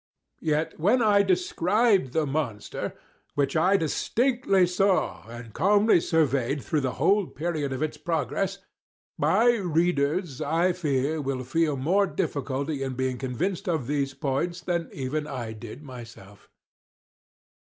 Yet when I described the monster (which I distinctly saw, and calmly surveyed through the whole period of its progress), my readers, I fear, will feel more difficulty in being convinced of these points than even I did myself.